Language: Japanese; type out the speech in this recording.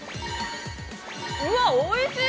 ◆うわっ、おいしい！